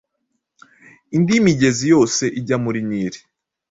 indi migezi yos ijya muri Nil.